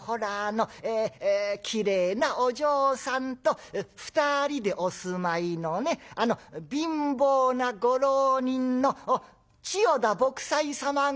きれいなお嬢さんと２人でお住まいのねあの貧乏なご浪人の千代田卜斎様が持ってらしたんですよ」。